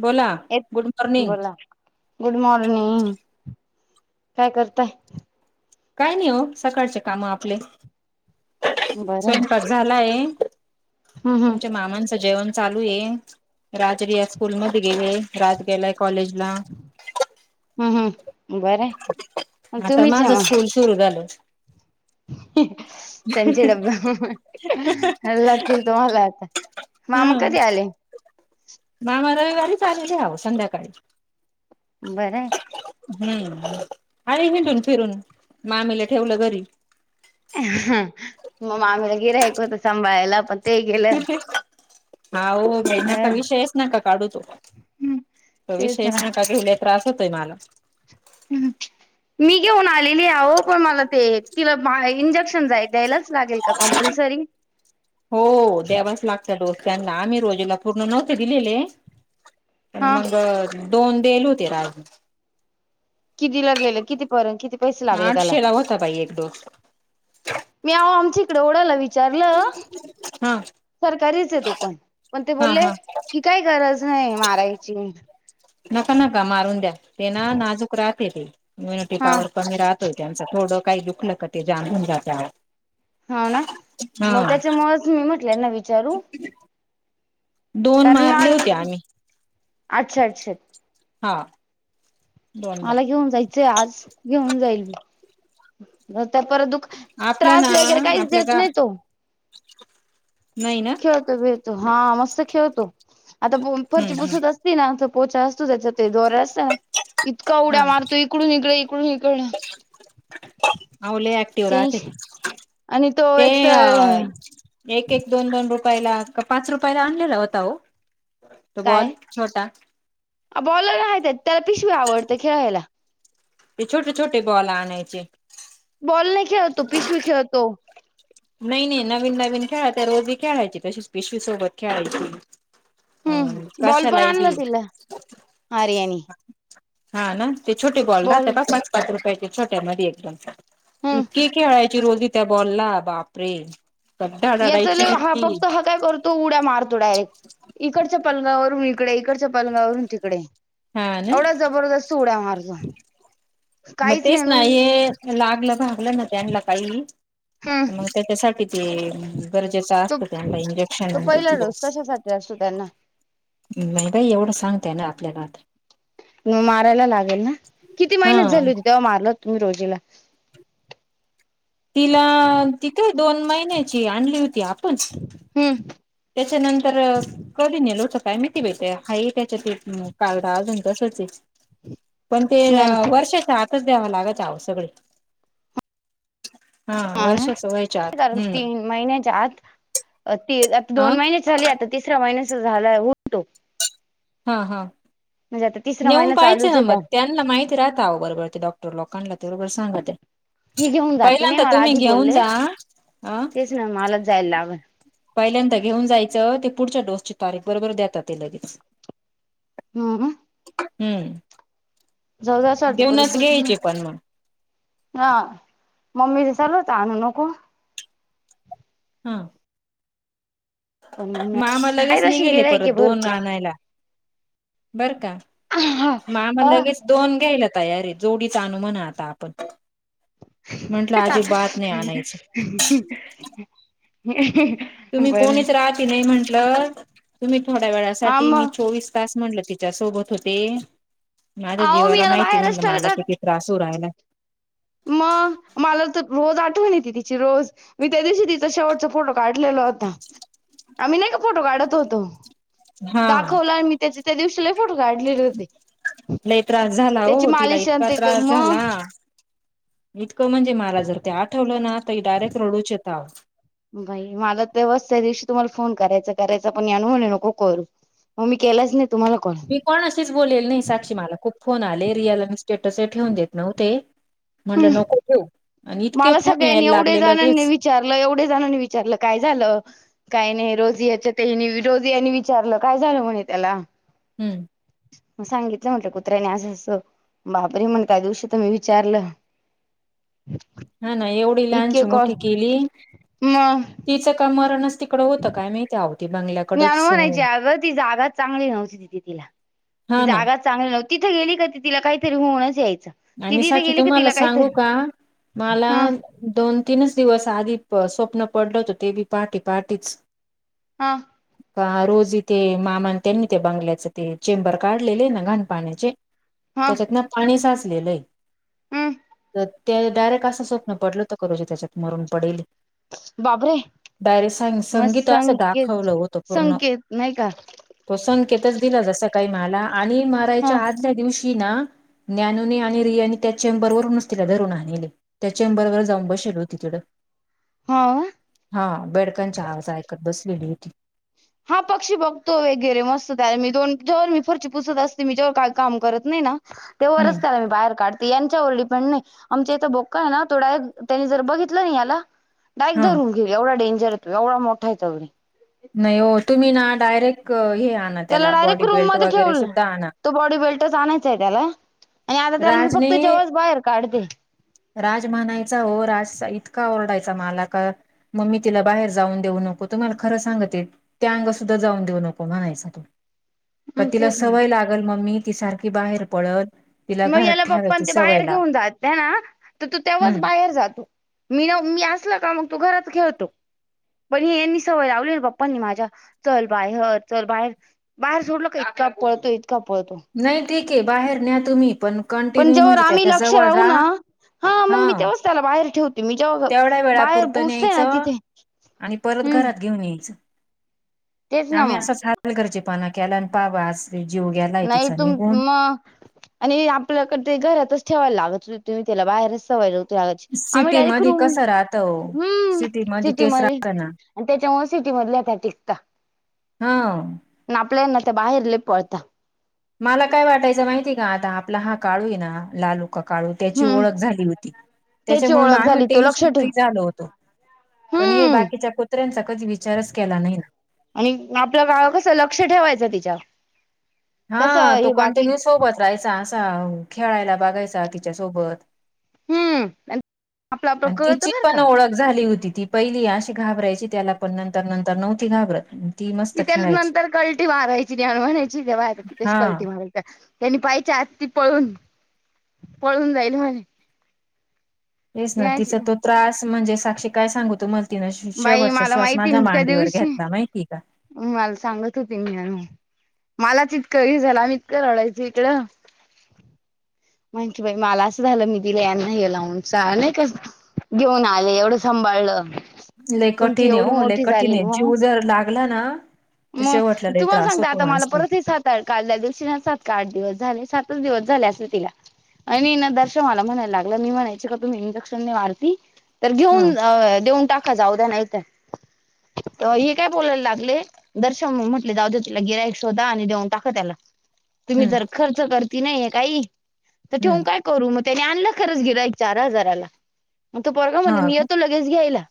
बोला येत. Good morning बोला गुड मॉर्निंग. काय करताय? काय नाही हो. सकाळचे काम आपले. बरं आहे स्वयंपा- झाल आहे. हम्म हम्म तुमच्या मामांचं जेवण- चालू आहे. राज बी या स्कूल मध्ये गेले. राज गेलाय कॉलेज ला. हम्म हम्म. बरय. म आता माझ स्कूल सुरू झाल. त्यांचे डब्बे म लागतील तुम्हाला आता. मामा हम्म कधी आले? मामा रविवारीच आलेले आओ संध्याकाळी. बरं. हम्म, आली हिंडून फिरून, मामीला ठेवलं घरी. हं, मग मामीला गीरायक होत सांभाळायला पण ते गेलं कठे [unintelligible] आओ बाय नका अ विषयच नका काढू तो, तो तेच ना विषयच नका घेऊ ल त्रास होतय मला. हं मी घेऊन आलेली आहो, पण मला ते तिला बांग इंजेक्शन जाय द्यायलाच लागेल का कम्पल्सरी? दोक्याना आम्ही रोजूला पूर्ण नव्हते दिलेले, पण हा मग दोन देयेल होते रा किती लागलेलं, किती पर किती पैसे लागले त्याला? आठशे ला होता बाई एक डोस मी आओ आमची इकडं ओडाला विचारलं, हा सरकारीचे तो पण, पण ते हा बोलले हा काई गरज नाही मारायची. नका-नका मारून द्या, ते ना नाजूक राहते ते इम्युनिटी हा पावर कमी राहतोय त्यांच, थोडं काही दुखलं का ते जा्म होऊन जात आओ. होना, मग त्याच्यामुळच मी म्हटलं यांना विचारू. दोन कारण वा मारले होते आम्ही अच्छा-अच्छा. हा. दोनदा मला घेऊन जायचंय आज, घेऊन जाईल, नंतर परत दुख ख आपल्या त्रास ना वगैरे काहीच आपल्या देत गा नाही तो. नाही ना? खेळतो -भिळतो हा मस्त खेळतो, आता हम्म फरची पुसत हम्म अस तीना पोचा असतो, त्याच्या ते दोऱ असता ना, इतका हा उड्या मारतो इकडून इकडे इकडं आओ ले ऍक्टिव्ह राहत्या, टेन्शन ते आणि तो ते एक अ तर एक-एक, दोन-दोन रुपयाला का पाच रुपयाला आणलेला होता हो तो काय बॉल छोटा? बॉलर आहे, त्याला पिशवी आवडते खेळायला. ते छोटे-छोटे बॉल आणायचे. बॉल नाही खेळत, तो पिशवी खेळतो. नही-नही, नवीन-नवीन खेळा त्या रोजी खेळायची तशीच पिशवी सोबत खेळायची. ह हम्म बॉल पण कशालाय आणला बी. तिला आर्यानी हा ना ते छोटे बॉल राहत्या पहा, पाच-पाच रुपयाचे छोट्या मध्ये एकदम? हम्म इतकीे खेळायची रोजी त्या बॉलला बापरे. गड्डा याच रडायची लइ, हा इतकी. फक्त हा काय कर तो उड्या मारतो डायरेक्ट, इकडच्या पलंगावरून इकडे, इकडच्या पलंगावरून तिकडे. हा ना एवढा जबरदस्त उड्या मारतो. मग काहीच नाही तेच ना न हे लागलं-भागलं ना त्यांला काही, हम्म मग त्याच्यासाठी. ते गरजेचं तो असत त्यांना, इंजेक्शन [unintelligible] तो पहिला म्हणजे. डोस कशासाठी असतो त्यांना नही बाई एवढं सांगता येनार आपल्याला आता. म मारायला लागेल ना? किती महिन्याची हा झाली होती, तेव्हा मारलं तुम्ही रोजीला? तिला अ ती काय दोन महिन्याची आणली होती आपण हम्म. त्याच्यानंतर कधी नेलं होतं काय माहिती बाई त्या, हाये त्याच्यात एक कार्ड अजून तसच ये. पण ते हम्म वर्षाच्या आतच द्याव्या लागत्या आओ सगळे. हा वर्षाच्या व्हायच्या आत, कारण हम्म. तीन महिन्याच्या आत, ती आता हा दोन महिन्याची झाली, आता तिसऱ्या महिन्याचा झालाय हूल तो. हा हा म्हणजे आता तिसरा नेऊन महिना पाहिच चालूच ना आहे मग त्या माहिती राहता बरोबर ते डॉक्टर लोकांला ते बरोबर सांगत ते. ही घेऊन जाते नाही पहिल्यांता तुम्ही घेऊन जा अ मालजजालावर. पहिल्यांदा घेऊन जायचं ते पुढच्या डोसची तारीख बरोबर देतात ते लगेच. ह. हम्म जाऊ द्या असं देऊनच घ्यायचे पण मग. ह मम्मी ते सलू हणू नको. हा. पण मम्मी मामा आहे लगेच तशी निघेले गिराय की परत दोन भरपूर रानायला बर का. मा आमला अ लगेच दोन घ्यायला तयार जोडीच आण आणू म्हणा आता आपण. म्हंटलं अजिबात नाही आणायचं तुम्ही बरं कोणीच राहते नाही म्हंटलं तुम्ही थोड्या हा वेळासाठी मी मग चोवीस तास म्हणलं तिच्या सोबत होते माझ्या अहो मी जीवाला याला माहिती बाहेरच म्हणलं मला टाकत कि. त्रासूर आहे ना मग मला तर रोज आठवण य त तिची रोज मी त्या दिवशी तिचा शेवटचा फोटो काढलेल्या होता आम्ही नाही का फोटो काढत होतो हा दाखवला मी त्याचे त्या दिवशीला फोटो काढलेले होते. लई त्रास झाला हो त्याची तिला मालिश आणि इतका ते कर त्रास मग झाला. इतकं म्हणजे मला जर ते आठवलं ना त डायरेक्ट रडूच आओ. बाई मला तेवस त्या दिवशी तुम्हाला फोन करायचा करायचा पण यान म्हणे नको करून. मग मी केलाच नाही तुम्हाला. मी कोण अशीच बोलेल नाही साक्षी मला खूप फोन आले रिअल इस्टेटचे ठेवून देत नव्ह ते. म्हंलं नको ठेऊ आणि इतके मला फोन सगळ्यांनी यायला एवढे लागले जणांनी लगेच विचारलं एवढ्या जणांनी विचारलं काय झालं. काही नाही रोजियाच्या त्या रोजियानी विचारलं काय झालं म्हणे त्याला. हम्म. म सांगितलं म्हटलं कुत्र्यानी असं असं बाबरे म त्या दिवशी तर मी विचारलं. हा ना एवढी इतके लहानची कॉल मोठी केली मग तिचं का मरणच ते तिकड होत काय माहिती आओ ते बंगल्या न म्हणायची ती जागा चांगली नव्हती तिथे तिला ती हा ना जागा चांगलं नव तिथे गेली का ती तिला काहीतरी होनच यायचं. ती आणि सा तिथे गेली की तुम्हाला तिला सांगू काहीतरी का मला हा दोन तीनच दिवस आधी स्वप्न पडलं होत ते बी पहाटे पहाटेच. हा. का रोज इथे मामा त्यांनी ते बंगल्याच ते चेंबर काढलेले ना घाण पाण्याचे. हा त्याच्यात ना पाणी साचलेलंय. हम् तर ते डायरेक्ट असं स्वप्न पडल तर करोजी त्याच्यात मरून पडेल ये. बाबरे. डयरे सांग मग संगीत असं संकेत दाखवलं होतं पूर्ण संकेत नाही का [unintelligible] तो संकेतच दिला जसं काही मला आणि हा मारायच्या आदल्या दिवशी ना ज्ञान आणि रिया आणि त्या चेंबरूनच तिला धरून आणेल ये त्या चेंबर वर जाऊन बसेल हो तिढ. हा. हा बेडकांच्या आवाज ऐकत बसलेली होती. हा पक्षी बघतो वगैरे मस्त त्याला मी दोन जेवर मी फरची पुसत असते मी जेववर का काम करत नाही ना तेव्हाच हम्म मी त्याला बाहेर काढ यांच्यावर डिपेंड नाही आमच्या इथं बोक आहे नातो डायरेक्ट त्यांनी जर बघितलं ना याला डायरेक्ट हा धरून घेऊ एवढा डेंर त एवढ मोठा तोढे नाही हो तुम्ही ना डायरेक्ट हे आणा त्याला डायरेक्ट बॉडी रूम बेल्ट मध्ये वगैरे ठेवलं सुुद्धा आणा. तो बॉडी बेल्टच आणायचा आहे त्याला आणि आता त्याला मी राजने फक्त जेव्हाच बाहेर काढते. राज म्हणायचा हो राज इतका ओरडायचा मला का. मम्मी तिला बाहेर जाऊन देऊ नको तुम्हाला खरं सांगते. त्या अंग सुद्धा जाऊन देऊ नको म्हणायच. का मग तिला तेच ना सवय लागल मम्मी ति सारखी बाहेर पळल. तिला मग घरात याला पप् ठेवायची ते सवय बाहेर लाव घेऊन जात त्या ना तर तू तेव्हाच हम्म बाहेर जातो. मी न मी असल का मग तो घरात खेळतो. पण हे यांनी सवय लावली बाप्पांनी माझ्या चल बाय ह चल बाहेर. बाहेर सोडलं का इतका पळतो इतका पळतो. नाही ठीके बाहेर न्या तुम्ही पण पण कंटिन्यू जेववर म्हणजे आम्ही त्याच्या लक्ष जवळ राहू ना राहा हा मग मी तेव्हाच त्याला बाहेर ठेवतो. तुम्ही जेव्हा तेवढ्या बाहेर वेळापुरतं पोसते ना न्यायचं तिथे आणि परत हम्म. घरात घेऊन यायचं. तेच ना आम्ही मग असंच हलगर्जीपणा केला आणि पाबा आज जीव गेलाय तिचा निघून. ह. आणि आपल्याकड ते घरातच ठेवायला लागत तुम्ही त्याला बाहेरचवायला. आम्ही सिटी रायरेक्ट मध्ये रूम. कसं राहत ओ हम्म सिटी मध्ये तेच सिटीमध्ये राहत ना आणि त्याच्यामुळे सिटी मधल्या टिकता. हा. आणि आपल्यानं ते बाहेरले पळतता. मला काय वाटायचं माहितीय का आता आपला हा काळू आहे ना लालू. काळू त्याची हम्म ओळख झाली होती त्याची त्याच्यामुळे ओळख आम्ही झाली तो लक्ष टेन्शन ठेव फ्री झालो होतो. पण हे हम्म बाकीच्या कुत्र्यांचा कधी विचारच केला नाही ना. आणि आपलं गाव कसं लक्ष ठेवायचं तिच्या हा तो कंटिन्यू सोबत राहायचा असा खेळायला बघायचा तिच्या सोबत. हम्म आपलं आपलं आणि कळत तिची बर का पण ओळख. झाली होती ती पहिली अशी घाबरायची त्याला पण नंतर नंतर नव्हती घाबरत. ती मस्त त्याला खेळायची नंतर कलटी मारायची त्याला म्हणायची त्या बायकांशी हा कलटी मारायची. त्यांनी पाहिच्या आत ती पळून पळून जाईल म्हणे. येच ना तिचा ते तो त्रास म्हणजे साक्षी काय सांगू तुम्हाला तिन बाई शेवटचा मला श्वास माहिती माझ्या ना त्या मांडीवर दिवशी घेतला माहिती आहे का? मला सांगत होती ती मलाच इतक हे झालं आम्ही इतकं रडायचो इकडं. म्हण की बाई मला असं झालं मी दिला यांना हे लाऊन नाही कस? घेऊन आले एवढं सांभाळलं. लई तुमची कठीण आहे एवढी हो लई मोठी कठीण झाली आहे मग जीव जर लागला ना. तर मग शेवटला लय तुम्हाला त्रास सांगता होतो आता मला माणसाला परत हे. काढल्या दिवशी न सात का आठ दिवस झाले सातच दिवस झाले असतील तिला आणि ना दर्शन मला म्हणायला लागलं मी म्हणायची का तुम्ही इंजेक्शन ने मारती तर हम्म. अ देऊन टाका जाऊ द्या नाहीत हे काय बोलायला लागले. दर्शन म म्हटले जाऊद्या तिला गिराईक शोधा आणि देऊन टाका त्याला तुम्ही हम्म जर खर्च करती नाहीय काही तर ठेवून हम्म काय? करू मग त्यानी आणलं खरच गिराईक चार हजाराला मग तो पोरगा म्हणे हा मी का येतो लगेच घ्यायला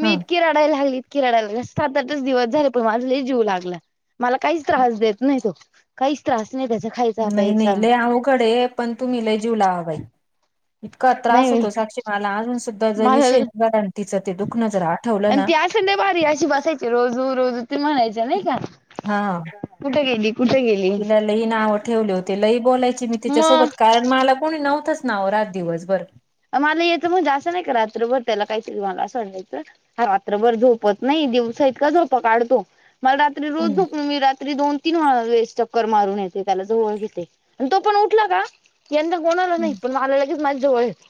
मी हा इतकी रडायला इतकी रडायला लागली सात आठच दिवस झाले. तो आज लई जीवु लागला मला काहीच त्रास देत नाही तो. काहीच त्रास नाही त्याचा खायचा प्यायचा. आहो कडे पण तु्ही लई जीव लावा बाई इतका त्रास नाही होतो साक्षी मला अजून मला विषय आणि तिच ते दुखणं जर आठवलं. पण ना ती असे लई भारी अशी बसायची रोज रोज ते म्हणायची नाही का? हा. कुठ गेली कुठ गेली. तिन लई नाव ठेवले होते. लई बोलायची मी मग तिच्यासोबत. कारण मला कोणी नव्हतंच ना ओ, राहत दिवस भर. मला येतं म्हणजे अस नाही का रात्रभर त्याला काहीतरी वाग असं म्हणायच. हा रात्रभर झोपत नाही. दिवसा इतका झोपा काढतो. मला रा रात्री रोज हम्म झोपून. मी रात्री दोन तीन वळा वेळेस चक्कर मारून येते. त्याला जवळ घेते. आणि तो पण उठला का? यंनदा कोणाला नाही हम्म पण मला लगेच माझ्या जवळ येतो.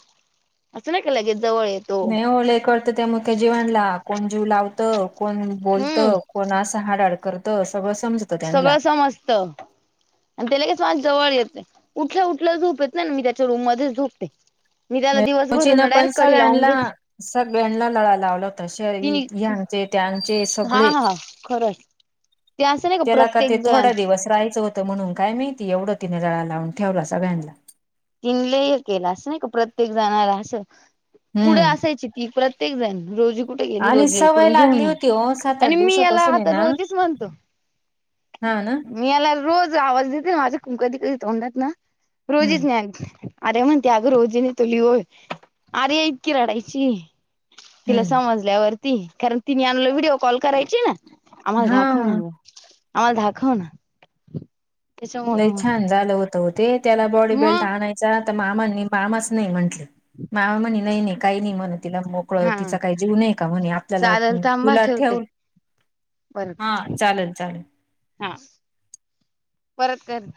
असं नाही का लगेच जवळ येत. नाही ओ लई कळत त्या मुक्या जीवांना. कोण जीव लावत. कोण बोलत. हम्म कोण असं हाड हाड करतं. सगळं समजत. सगळं समजतं. अन ते लगेच माझ्या जवळ येत. उठल्या उठल्या झोपेतन येते ना. मी त्याच्या रूम मध्येच झोपते. मी त्याला दिवस कोचीनं भरेना. पण डायरेक्ट कडी लावून सगळ्यांना घेते. सगळ्यांना लळा लावला होता. शळी ह्यांचे त्यांचे सगळे. ह खरंय. त्याला का ते थोडा दिवस राहायचं होतं. म्हणून काय माहिती. एवढा तिने लळा लावून ठेवला सगळ्यांना. तिने लई हे केलं अस नाही का. प्रत्येक जणाला असं. कुढ हम्म असायची ती. प्रत् प्रत्येक जन रोज कुठे गेली आणि रोजी सवय इकडून घेऊन लागली या. होती हो सात आणि आठ मी याला दिवसापासून आहे आता ना रोजीच म्हणतो. हा ना. मी याला रोज आवाज देते ना. ते माझा कुन कधी कधी तोंडात ना हम्म रोजी नाहीयेते. आर्या म्हणते अगं रोजी नही तो लीओय. आर्या इतकी रडायची. तिला हम्म समजल्यावरती. कारण तिने आणलं व्हिडिओ कॉल करायची ना. आम्हाला दाखव ना हा ग आम्हाला दाखव ना. त्याच्यामुळं लई मग छान झालं होतं ओ ते. त्याला बॉडी बेल्ट मग आणाय चा. त मामानी मामाच नाही म्हंटले. मामा म्हणे नाही नाही काही नाही म्हणे तिला. मोक ळ. हा तिचा काय जीव नाही का म्हणे. आपल्याला चालेल थांबा तुला ठेवते ठेव परत हा चालेल चालेल. हा. परत कर.